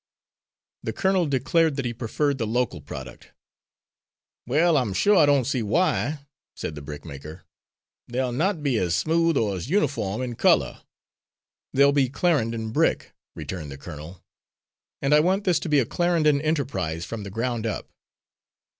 The colonel declared that he preferred the local product. "Well, I'm shore I don't see why," said the brickmaker. "They'll not be as smooth or as uniform in colour." "They'll be Clarendon brick," returned the colonel, "and I want this to be a Clarendon enterprise, from the ground up."